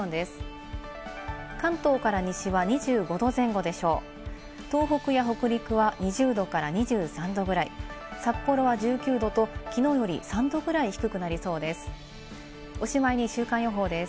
東北や北陸は２０度から２３度ぐらい、札幌は１９度ときのうより３度ぐらい低くなりそうです。